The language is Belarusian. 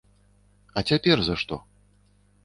А цяпер за што?